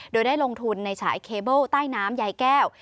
โดยได้ลงทุนในฉายเคเบิลต้ายน้ำใหญ่แก้ว